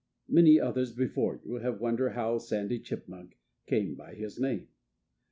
Many others, before you, have wondered how Sandy Chipmunk came by his name.